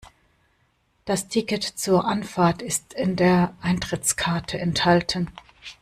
Das Ticket zur Anfahrt ist in der Eintrittskarte enthalten.